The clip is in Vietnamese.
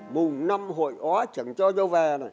mùng năm hội oa chẳng cho dâu về